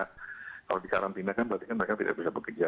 kalau dikarantina kan berarti kan mereka tidak bisa bekerja